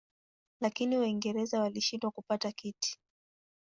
Lakini Waingereza walishindwa kupata kiti.